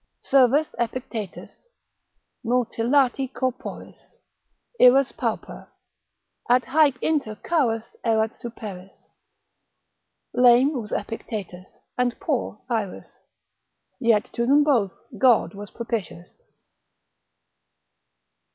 Servus Epictetus, multilati corporis, Irus Pauper: at haec inter charus erat superis. Lame was Epictetus, and poor Irus, Yet to them both God was propitious.